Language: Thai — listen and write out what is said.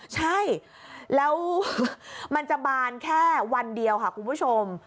ใช่แล้วมันจะบานแค่วันเดียวค่ะคุณผู้ชม